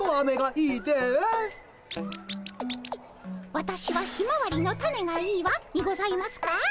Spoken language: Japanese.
「わたしはひまわりの種がいいわ」にございますか？